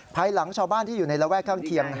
ภายหลังชาวบ้านที่อยู่ในระแวกข้างเคียง